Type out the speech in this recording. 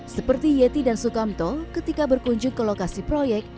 seperti yeti dan sukamto ketika berkunjung ke lokasi proyek